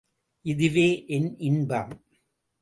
இதுவே என் இன்பம்.